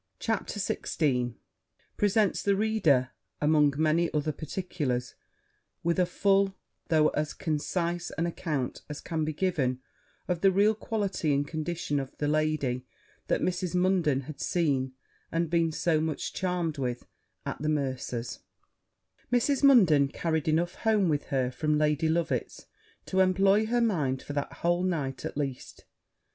CHAPTER XVI _Presents the reader, among many other particulars, with a full, though as concise an account as can be given, of the real quality and condition of the lady that Mrs. Munden had seen, and been so much charmed with, at the mercer's_ Mrs. Munden carried enough home with her from Lady Loveit's to employ her mind, for that whole night at least.